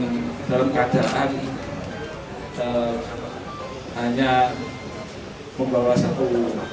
dan dalam keadaan hanya membawa satu